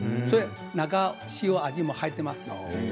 中に塩味も入っています。